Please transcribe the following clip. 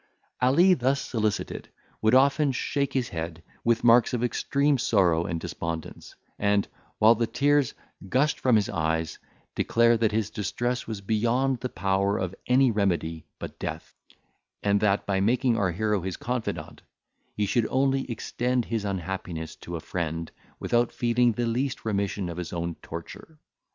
Ali, thus solicited, would often shake his head, with marks of extreme sorrow and despondence, and, while the tears gushed from his eyes, declared that his distress was beyond the power of any remedy but death, and that, by making our hero his confidant, he should only extend his unhappiness to a friend, without feeling the least remission of his own torture.